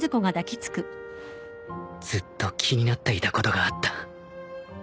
ずっと気になっていたことがあった